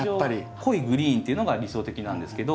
濃いグリーンっていうのが理想的なんですけど。